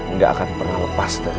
nggak akan pernah lepas dari kita